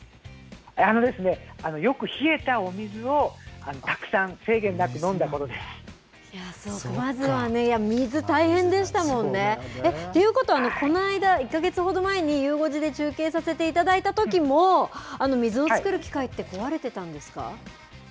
あのですね、よく冷えたお水を、たくさん制限なく飲んだことまずは水、大変でしたもんね。ということは、この間、１か月ほど前にゆう５時で中継させていただいたときも、水を作る機械って壊れてたんですか。